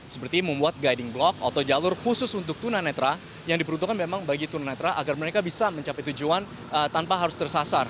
seperti membuat guiding block atau jalur khusus untuk tunanetra yang diperuntukkan memang bagi tunanetra agar mereka bisa mencapai tujuan tanpa harus tersasar